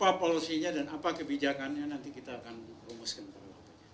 apa polusinya dan apa kebijakannya nanti kita akan rumuskan